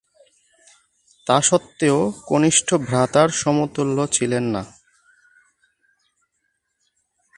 তাসত্ত্বেও কনিষ্ঠ ভ্রাতার সমতুল্য ছিলেন না।